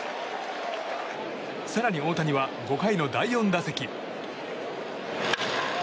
更に大谷は５回の第４打席。